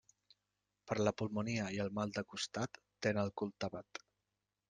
Per la pulmonia i mal de costat ten el cul tapat.